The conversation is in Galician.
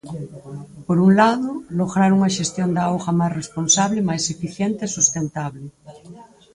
Por un lado, lograr unha xestión da auga máis responsable, máis eficiente e sustentable.